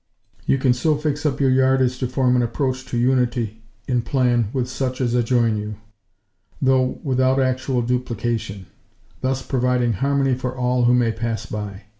You can so fix up your yard as to form an approach to unity in plan with such as adjoin you; though without actual duplication; thus providing harmony for all who may pass by.